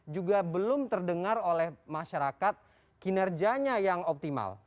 juga belum terdengar oleh masyarakat kinerjanya yang optimal